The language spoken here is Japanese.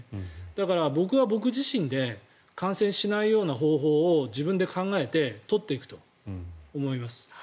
だから、僕は僕自身で感染しないような方法を自分で考えて取っていくと思います。